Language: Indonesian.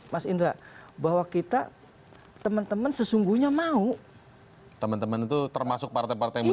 mas indra bahwa kita teman teman sesungguhnya mau teman teman itu termasuk partai partai baru